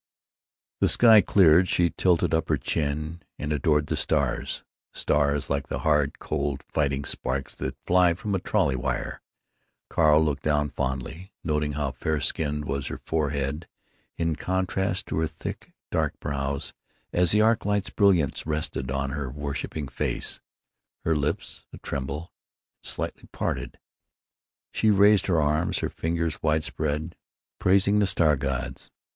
The sky had cleared. She tilted up her chin and adored the stars—stars like the hard, cold, fighting sparks that fly from a trolley wire. Carl looked down fondly, noting how fair skinned was her forehead in contrast to her thick, dark brows, as the arc light's brilliance rested on her worshiping face—her lips a tremble and slightly parted. She raised her arms, her fingers wide spread, praising the star gods.